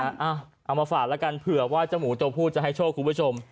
เอามาฝากแล้วกันเผื่อว่าเจ้าหมูตัวผู้จะให้โชคคุณผู้ชม